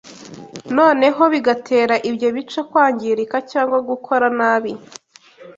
noneho bigatera ibyo bice kwangirika cyangwa gukora nabi